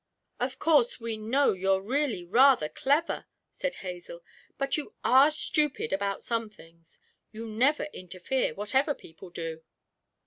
'Of course we know you're really rather clever,' said Hazel, 'but you are stupid about some things you never interfere, whatever people do!'